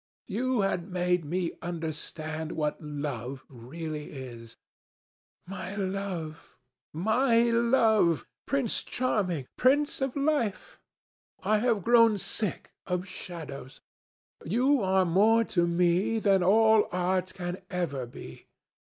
You had made me understand what love really is. My love! My love! Prince Charming! Prince of life! I have grown sick of shadows. You are more to me than all art can ever be.